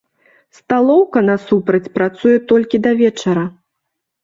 Сталоўка насупраць працуе толькі да вечара.